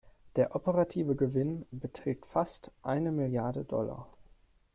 Der operative Gewinn beträgt fast eine Milliarde Dollar.